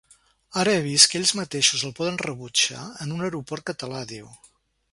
Ara he vist que ells mateixos el poden rebutjar en un aeroport català, diu.